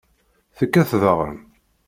Tekkat daɣen.